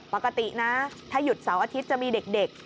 ปกตินะถ้าหยุดเสาร์อาทิตย์จะมีเด็ก